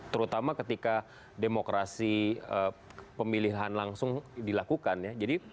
terutama ketika demokrasi pemilihan langsung dilakukan ya